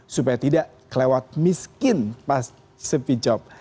supaya tidak kelewat miskin pas sepi job